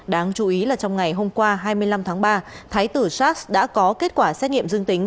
đáng chú ý là trong ngày hôm qua hai mươi năm tháng ba thái tử sars đã có kết quả xét nghiệm dương tính